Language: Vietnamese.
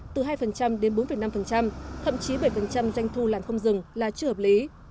từ hai đến bốn năm thậm chí bảy doanh thu làn không dừng là chưa hợp lý